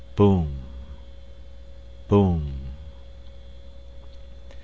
Boom.... Boom.